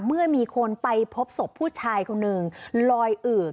เมื่อมีคนไปพบศพผู้ชายคนหนึ่งลอยอืด